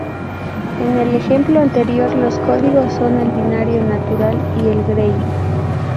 En el ejemplo anterior los códigos son el binario natural y el Gray.